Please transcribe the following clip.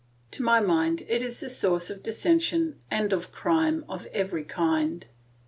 To my mind, it is the source of dissension and of crime of every kind.